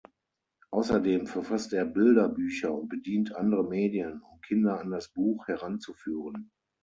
Außerdem verfasst er Bilderbücher und bedient andere Medien, um Kinder an das Buch heranzuführen.